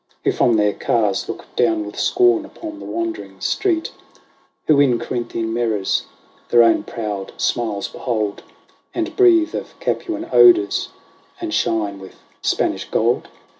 Who from their cars look down with scorn upon the wondering street, Who in Corinthian mirrors their own proud smiles behold. And breathe of Capuan odours, and shine with Spanish gold